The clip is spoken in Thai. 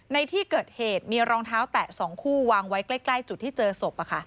ในที่เกิดเหตุมีรองเท้าแตะ๒คู่วางไว้ใกล้จุดที่เจอศพ